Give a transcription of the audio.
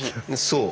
そう。